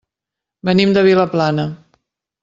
Venim de Vilaplana.